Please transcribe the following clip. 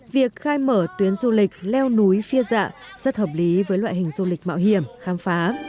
việc khai mở tuyến du lịch leo núi phía dạ rất hợp lý với loại hình du lịch mạo hiểm khám phá